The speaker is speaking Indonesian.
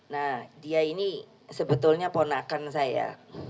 nah dia ini sebetulnya ponakan saya